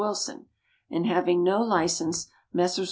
Wilson, and having no license, Messrs.